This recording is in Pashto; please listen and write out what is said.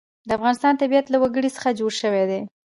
د افغانستان طبیعت له وګړي څخه جوړ شوی دی.